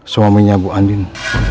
suaminya bu andin